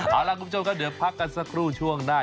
ครับคุณผู้ชมก็เดี๋ยวพักกันช่วงหน้า